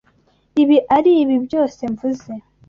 Ibi aribi byose mvuze.